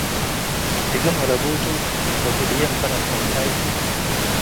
ድግም አለቡቱ ለዙዕዬ እምበል አተንሳይ፣